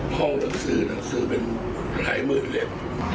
ห้องหนังสือเป็นหลายมือเล็ก